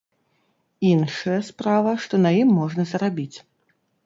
Іншая справа, што на ім можна зарабіць.